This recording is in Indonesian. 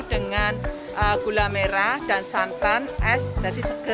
dengan gula merah dan salam